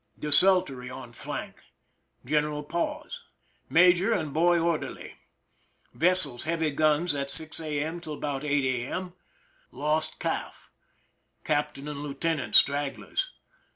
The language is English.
Des Tiltory on flank. General pause. Major and boy orderly. Vessels' heavy guns at 6 a. m. till about 8 a. m. Lost calf. Captain and lieutenant, stragglers.